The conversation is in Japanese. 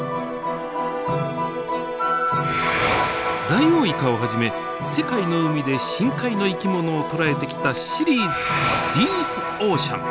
ダイオウイカをはじめ世界の海で深海の生き物を捉えてきたシリーズ「ディープオーシャン」。